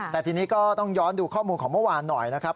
แต่ทีนี้ก็ต้องย้อนดูข้อมูลของเมื่อวานหน่อยนะครับ